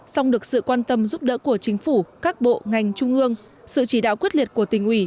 song được sự quan tâm giúp đỡ của chính phủ các bộ ngành trung ương sự chỉ đạo quyết liệt của tỉnh ủy